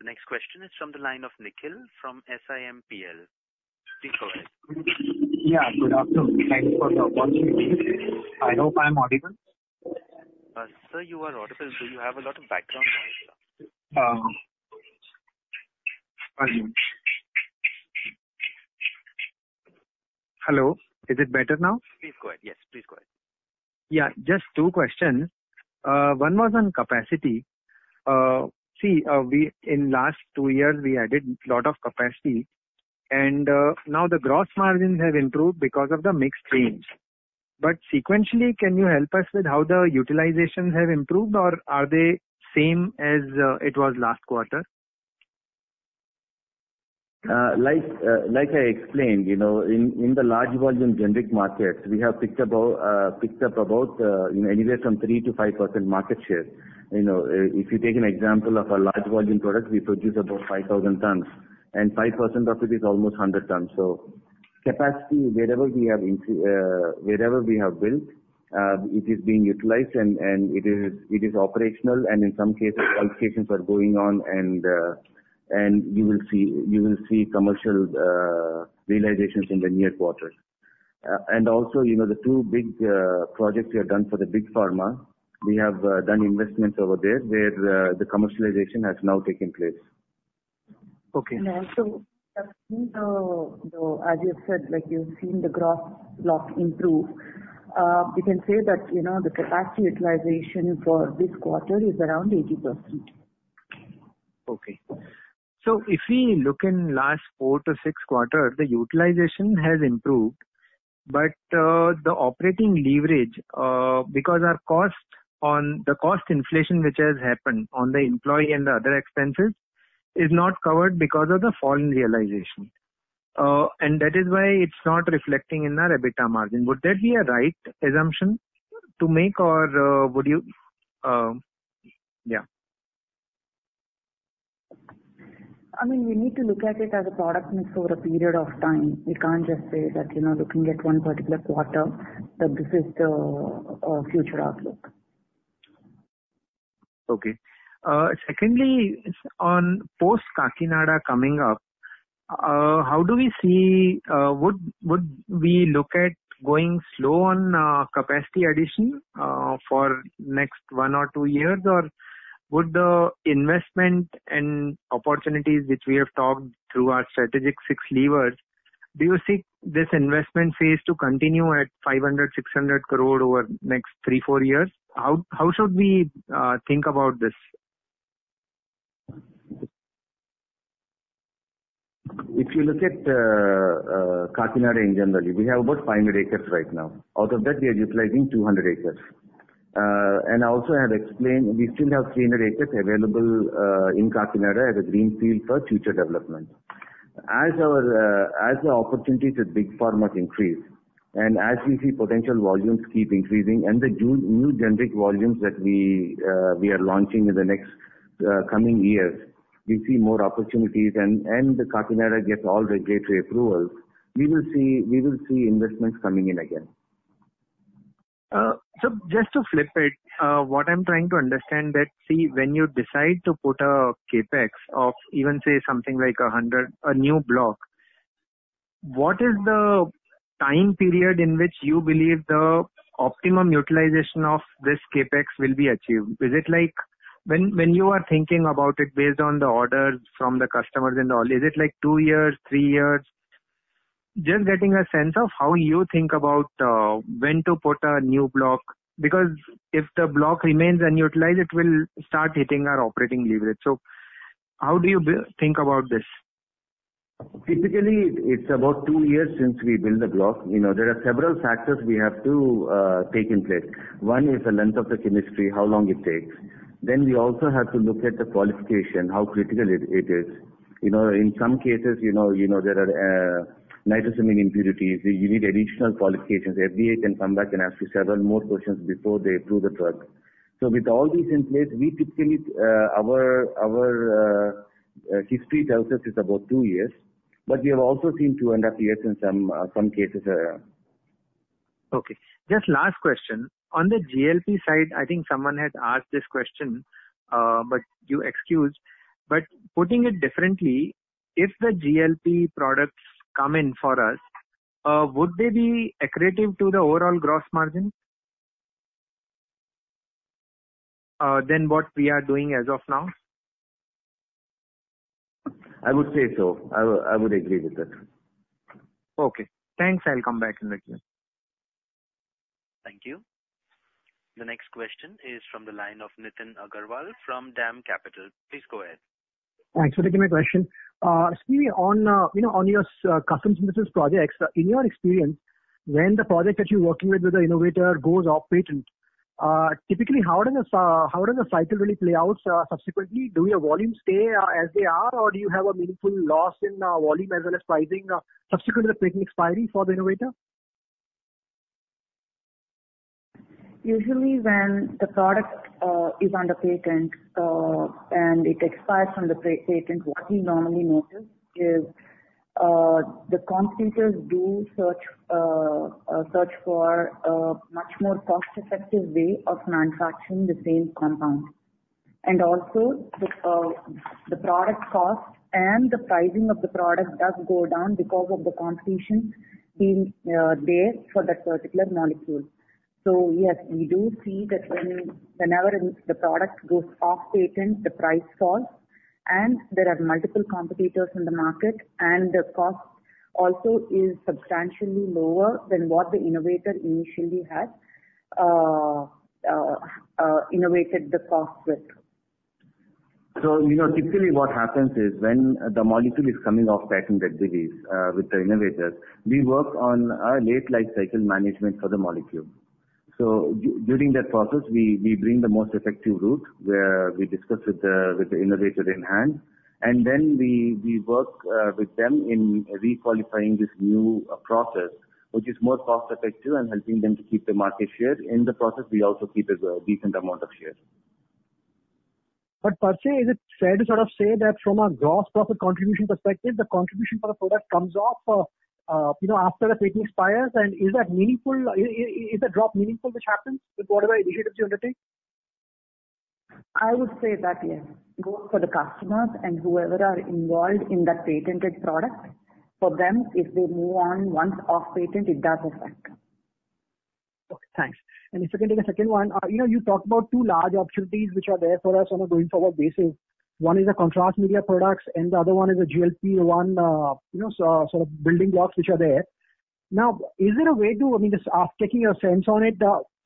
The next question is from the line of Nikhil from SIMPL. Please go ahead. Yeah, good afternoon. Thank you for the opportunity. I hope I'm audible? Sir, you are audible, so you have a lot of background noise, though. One moment. Hello, is it better now? Please go ahead. Yes, please go ahead. Yeah, just two questions. One was on capacity. See, we in last two years, we added lot of capacity and, now the gross margins have improved because of the mixed range. But sequentially, can you help us with how the utilizations have improved, or are they same as it was last quarter? Like I explained, you know, in, in the large volume generic markets, we have picked up about anywhere from 3%-5% market share. You know, if you take an example of a large volume product, we produce about 5,000 tons, and 5% of it is almost 100 tons. So capacity, wherever we have built, it is being utilized and, and it is, it is operational, and in some cases, qualifications are going on and, and you will see, you will see commercial realizations in the near quarters. And also, you know, the two big projects we have done for the Big Pharma, we have done investments over there, where the commercialization has now taken place. Okay. Also, you know, as you said, like you've seen the gross block improve, we can say that, you know, the capacity utilization for this quarter is around 80%. Okay. So if we look in last 4-6 quarters, the utilization has improved, but, the operating leverage, because our cost on the cost inflation, which has happened on the employee and the other expenses, is not covered because of the foreign realization. And that is why it's not reflecting in our EBITDA margin. Would that be a right assumption to make, or, would you. Yeah. I mean, we need to look at it as a product mix over a period of time. We can't just say that, you know, looking at one particular quarter, that this is the future outlook. Okay. Secondly, on post Kakinada coming up, how do we see, would we look at going slow on capacity addition for next one or two years? Or would the investment and opportunities, which we have talked through our strategic six levers, do you see this investment phase to continue at 500-600 crore over the next 3-4 years? How should we think about this? If you look at Kakinada in general, we have about 500 acres right now. Out of that, we are utilizing 200 acres. I also have explained, we still have 300 acres available in Kakinada as a greenfield for future development. As the opportunities at Big Pharma increase, and as we see potential volumes keep increasing and the new generic volumes that we are launching in the next coming years, we see more opportunities and the Kakinada gets all regulatory approvals, we will see investments coming in again. So just to flip it, what I'm trying to understand that, see, when you decide to put a CapEx of even, say, something like 100, a new block. What is the time period in which you believe the optimum utilization of this CapEx will be achieved? Is it like, when, when you are thinking about it based on the orders from the customers and all, is it like two years, three years? Just getting a sense of how you think about, when to put a new block, because if the block remains unutilized, it will start hitting our operating leverage. So how do you think about this? Typically, it's about two years since we built the block. You know, there are several factors we have to take in place. One is the length of the chemistry, how long it takes. Then we also have to look at the qualification, how critical it is. You know, in some cases, you know, there are nitrosamine impurities. You need additional qualifications. FDA can come back and ask you several more questions before they approve the drug. So with all these in place, we typically, our history tells us it's about two years, but we have also seen two and a half years in some cases. Okay. Just last question. On the GLP side, I think someone had asked this question, but you excused. But putting it differently, if the GLP products come in for us, would they be accretive to the overall gross margin? Than what we are doing as of now? I would say so. I would, I would agree with that. Okay, thanks. I'll come back in the queue. Thank you. The next question is from the line of Nitin Agarwal from DAM Capital. Please go ahead. Thanks for taking my question. [Srivi], on, you know, on your custom synthesis projects, in your experience, when the project that you're working with, with the innovator goes off patent, typically, how does this, how does the cycle really play out, subsequently? Do your volumes stay, as they are, or do you have a meaningful loss in volume as well as pricing, subsequent to the patent expiry for the innovator? Usually, when the product is under patent and it expires from the patent, what we normally notice is the competitors do search for a much more cost-effective way of manufacturing the same compound. And also, the product cost and the pricing of the product does go down because of the competition in there for that particular molecule. So yes, we do see that whenever the product goes off patent, the price falls, and there are multiple competitors in the market, and the cost also is substantially lower than what the innovator initially had innovated the cost with. So, you know, typically what happens is, when the molecule is coming off patent, that is, with the innovators, we work on a late life cycle management for the molecule. So during that process, we bring the most effective route, where we discuss with the innovator in hand, and then we work with them in re-qualifying this new process, which is more cost-effective and helping them to keep the market share. In the process, we also keep a decent amount of shares. But per se, is it fair to sort of say that from a gross profit contribution perspective, the contribution for the product comes off, you know, after the patent expires? And is that meaningful? Is the drop meaningful, which happens with whatever initiatives you undertake? I would say that, yes, both for the customers and whoever are involved in that patented product, for them, if they move on once off patent, it does affect. Okay, thanks. If I can take a second one. You know, you talked about two large opportunities which are there for us on a going-forward basis. One is the contrast media products, and the other one is a GLP-1, you know, so, sort of building blocks, which are there. Now, is there a way to, I mean, just ask, taking a sense on it,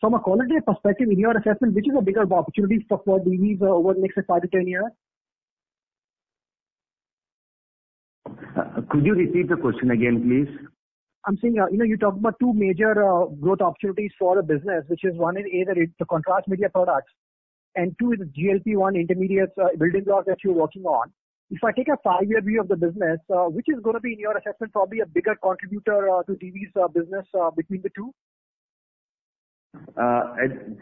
from a quality perspective, in your assessment, which is a bigger opportunity for Divi's over the next 5-10 years? Could you repeat the question again, please? I'm saying, you know, you talked about two major growth opportunities for the business, which is one in either it's the contrast media products, and two is GLP-1 intermediates, building blocks that you're working on. If I take a five-year view of the business, which is going to be, in your assessment, probably a bigger contributor to Divi's business between the two?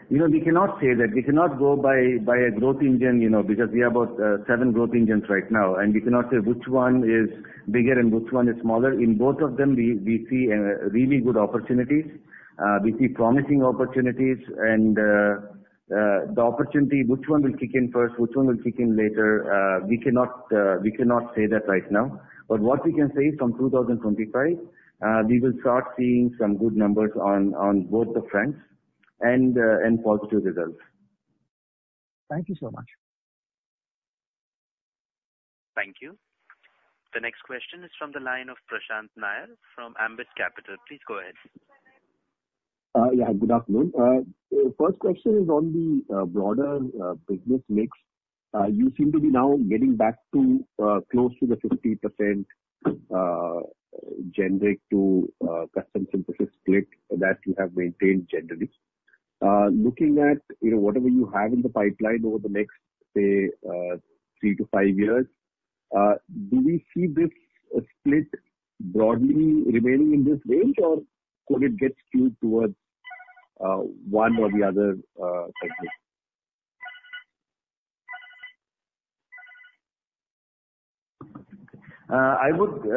You know, we cannot say that. We cannot go by a growth engine, you know, because we have about seven growth engines right now, and we cannot say which one is bigger and which one is smaller. In both of them, we see really good opportunities. We see promising opportunities, and the opportunity, which one will kick in first, which one will kick in later, we cannot say that right now. But what we can say is from 2025, we will start seeing some good numbers on both the fronts and positive results. Thank you so much. Thank you. The next question is from the line of Prashant Nair, from Ambit Capital. Please go ahead. Yeah, good afternoon. First question is on the broader business mix. You seem to be now getting back to close to the 50% generic to custom synthesis split that you have maintained generally. Looking at, you know, whatever you have in the pipeline over the next, say, 3-5 years, do we see this split broadly remaining in this range, or could it get skewed towards one or the other segment?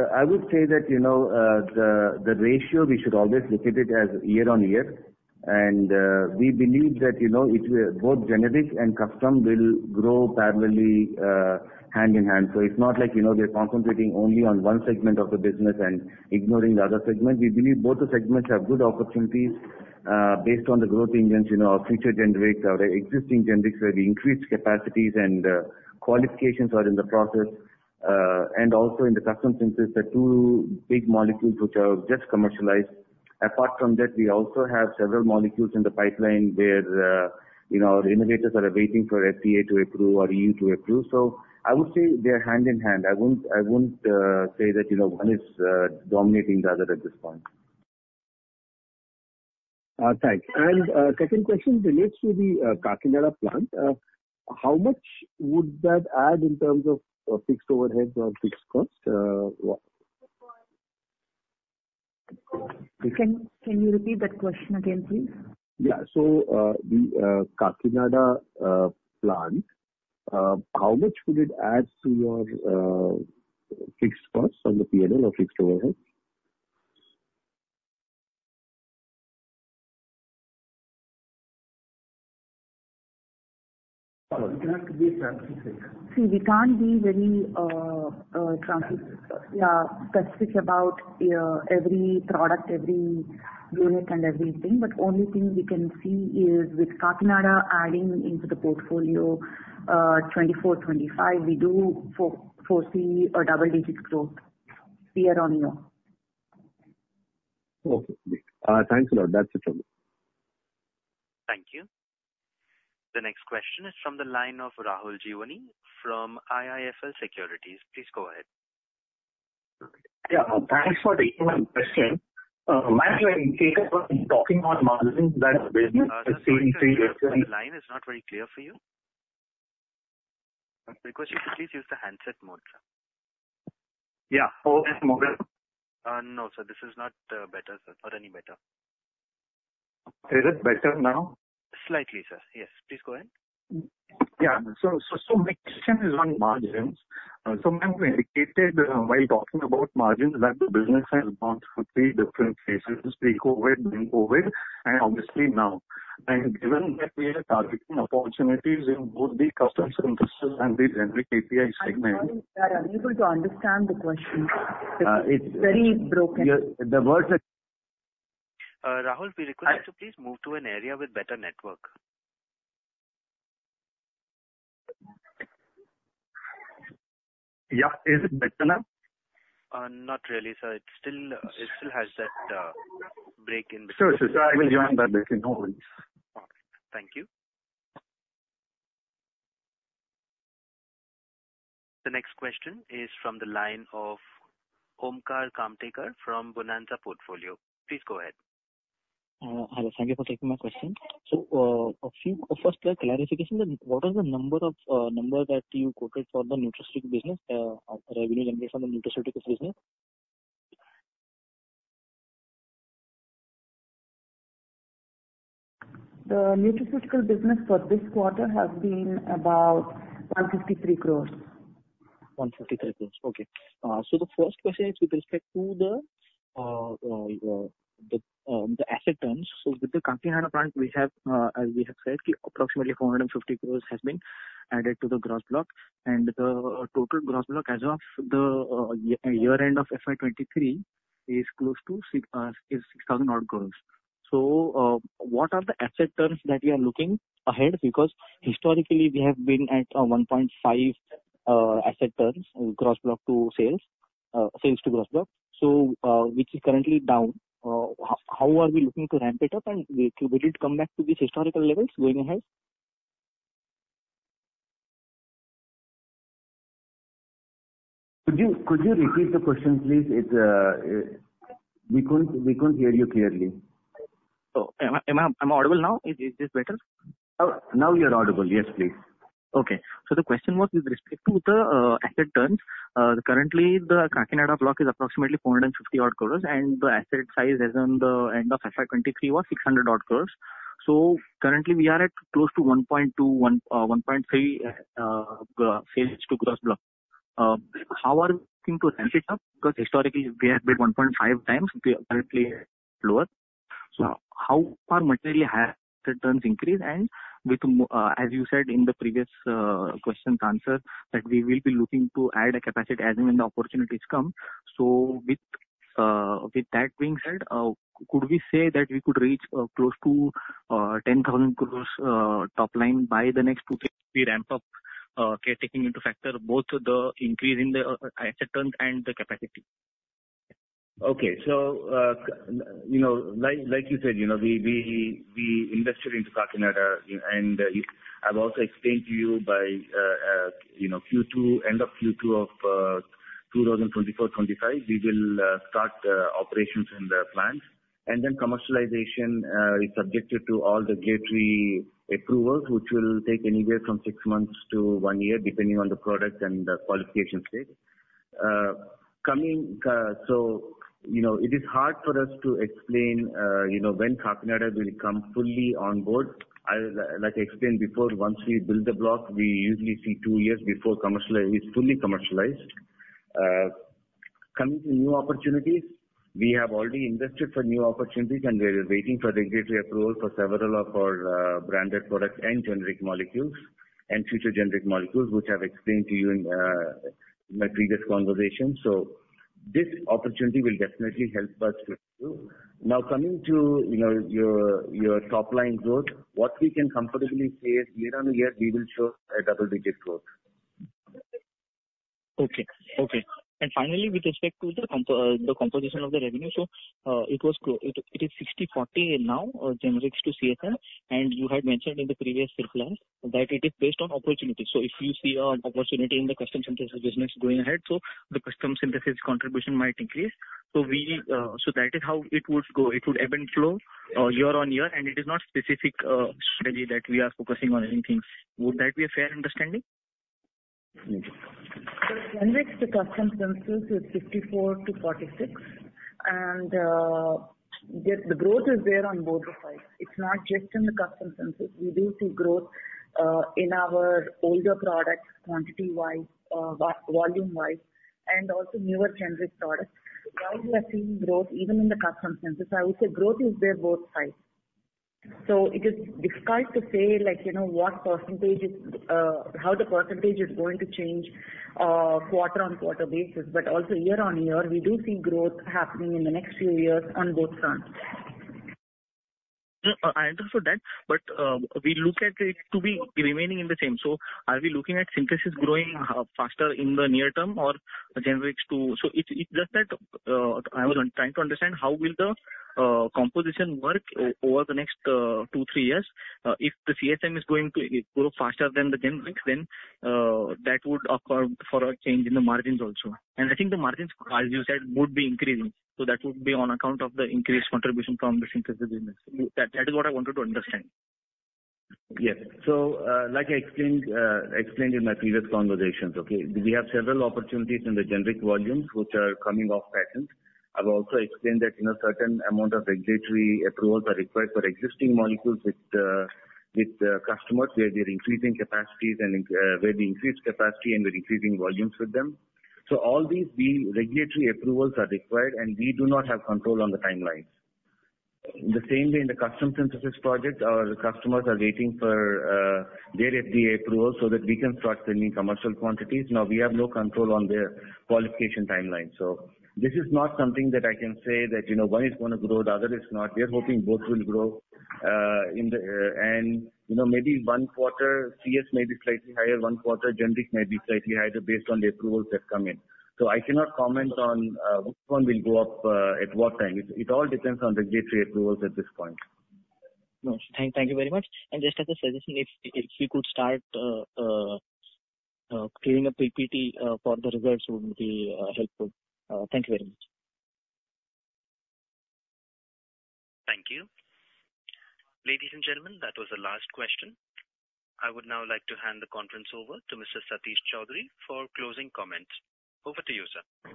I would say that, you know, the ratio, we should always look at it as year-on-year. And we believe that, you know, it will, both generic and custom will grow parallelly, hand-in-hand. So it's not like, you know, we are concentrating only on one segment of the business and ignoring the other segment. We believe both the segments have good opportunities, based on the growth engines, you know, our future generics, our existing generics, where we increased capacities and qualifications are in the process. And also in the custom synthesis, the two big molecules which have just commercialized. Apart from that, we also have several molecules in the pipeline where, you know, our innovators are waiting for FDA to approve or EU to approve. So I would say they are hand-in-hand. I wouldn't say that, you know, one is dominating the other at this point. Thanks. Second question relates to the Kakinada plant. How much would that add in terms of fixed overheads or fixed costs, what? Can you repeat that question again, please? Yeah. So, the Kakinada plant, how much would it add to your fixed costs on the PNL or fixed overhead? See, we can't be very transparent, specific about every product, every unit and everything. But only thing we can see is with Kakinada adding into the portfolio, 2024, 2025, we do foresee a double-digit growth year-on-year. Okay. Thanks a lot. That's it from me. Thank you. The next question is from the line of Rahul Jeewani from IIFL Securities. Please go ahead. Yeah, thanks for taking my question. Ma'am, you indicated while talking on margins that the business. Sorry, sir, the line is not very clear for you. I request you to please use the handset mode, sir. Yeah. Oh, handset mode. No, sir, this is not better, sir. Not any better. Is it better now? Slightly, sir. Yes, please go ahead. Yeah. So my question is on margins. So ma'am, you indicated while talking about margins that the business has gone through three different phases, pre-COVID, during COVID, and obviously now. And given that we are targeting opportunities in both the custom synthesis and the generic API segment. I'm sorry, we are unable to understand the question. Uh, it's. Very broken. The words are. Rahul, we request you to please move to an area with better network. Yeah. Is it better now? Not really, sir. It still, it still has that, break in between. Sure, sure, sir. I will join that way. No worries. Okay. Thank you. The next question is from the line of Omkar Kamtekar from Bonanza Portfolio. Please go ahead. Hello. Thank you for taking my question. First, a clarification, then what is the number of, number that you quoted for the nutraceutical business, revenue number from the nutraceutical business? The nutraceutical business for this quarter has been about 153 crore. 153 crore. Okay. So the first question is with respect to the asset turns. So with the Kakinada plant, we have, as we have said, approximately 450 crore has been added to the gross block, and the total gross block as of the year end of FY 2023, is close to six, is 6,000-odd crore. So, what are the asset turns that we are looking ahead? Because historically we have been at 1.5 asset turns, gross block to sales, sales to gross block, so, which is currently down. How are we looking to ramp it up, and will it come back to these historical levels going ahead? Could you repeat the question, please? We couldn't hear you clearly. Oh, am I, am I audible now? Is, is this better? Now, now you are audible. Yes, please. Okay. So the question was with respect to the asset terns. Currently the Kakinada block is approximately 450-odd crore, and the asset size as on the end of FY 2023 was 600-odd crore. So currently we are at close to 1.21-1.3 sales to gross block. How are we looking to ramp it up? Because historically we have been 1.5x, we are currently lower. So how far materially have the terms increased? And with, as you said in the previous question's answer, that we will be looking to add a capacity as and when the opportunities come. With that being said, could we say that we could reach close to 10,000 crore top line by the next two years we ramp up, taking into factor both the increase in the asset terns and the capacity? Okay. So, you know, like you said, you know, we invested into Kakinada, and I've also explained to you by, you know, end of Q2 of 2024, 2025, we will start operations in the plant. And then commercialization is subjected to all the regulatory approvals, which will take anywhere from six months to one year, depending on the product and the qualification stage. So, you know, it is hard for us to explain, you know, when Kakinada will come fully on board. Like I explained before, once we build the block, we usually see two years before commercialization is fully commercialized. Coming to new opportunities, we have already invested for new opportunities, and we are waiting for the regulatory approval for several of our branded products and generic molecules and future generic molecules, which I've explained to you in my previous conversation. So this opportunity will definitely help us with you. Now, coming to, you know, your, your top-line growth, what we can comfortably say is year-on-year, we will show a double-digit growth. Okay. And finally, with respect to the composition of the revenue, so, it is 60/40 now, generics to CSM, and you had mentioned in the previous circular that it is based on opportunity. So if you see an opportunity in the custom synthesis business going ahead, so the custom synthesis contribution might increase. So we, so that is how it would go. It would ebb and flow, year-on-year, and it is not specific study that we are focusing on anything. Would that be a fair understanding? The generics to custom synthesis is 54-46, and, the growth is there on both the sides. It's not just in the custom synthesis. We do see growth, in our older products, quantity-wise, volume-wise, and also newer generic products. While we are seeing growth even in the custom synthesis, I would say growth is there both sides. So it is difficult to say, like, you know, what percentage is, how the percentage is going to change, quarter-on-quarter basis. But also year-on-year, we do see growth happening in the next few years on both fronts. Yeah, I understood that, but we look at it to be remaining in the same. So are we looking at synthesis growing faster in the near term or the generics, too? So it's just that, I was trying to understand how will the composition work over the next two, three years? If the CSM is going to grow faster than the generics, then that would account for a change in the margins also. And I think the margins, as you said, would be increasing, so that would be on account of the increased contribution from the synthesis business. That is what I wanted to understand. Yes. So, like I explained in my previous conversations, okay? We have several opportunities in the generic volumes, which are coming off patent. I've also explained that, you know, certain amount of regulatory approvals are required for existing molecules with customers, where we are increasing capacities and where we increase capacity and we're increasing volumes with them. So all these, the regulatory approvals are required, and we do not have control on the timelines. The same way in the custom synthesis project, our customers are waiting for their FDA approval so that we can start sending commercial quantities. Now, we have no control on their qualification timeline. So this is not something that I can say that, you know, one is gonna grow, the other is not. We are hoping both will grow in the. And you know, maybe one quarter, CS may be slightly higher, one quarter, generic may be slightly higher based on the approvals that come in. So I cannot comment on, which one will go up, at what time. It all depends on regulatory approvals at this point. No, thank you very much. And just as a suggestion, if we could start clearing up PPT for the results, would be helpful. Thank you very much. Thank you. Ladies and gentlemen, that was the last question. I would now like to hand the conference over to Mr. Satish Choudhury for closing comments. Over to you, sir.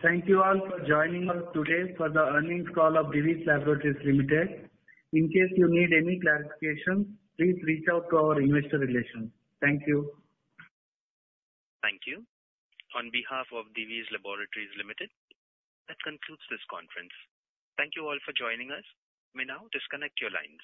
Thank you all for joining us today for the earnings call of Divi's Laboratories Limited. In case you need any clarification, please reach out to our investor relations. Thank you. Thank you. On behalf of Divi's Laboratories Limited, that concludes this conference. Thank you all for joining us. You may now disconnect your lines.